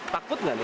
takut gak nis